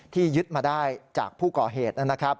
ที่ยึดมาได้จากผู้ก่อเหตุนะครับ